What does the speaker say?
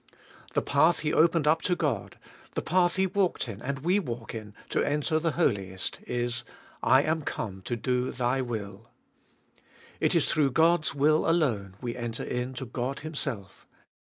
The path He opened up to God, the path He walked in and we walk in, to enter the Holiest, is— I am come to do Thy will. It is through God's will alone we enter in to God Himself.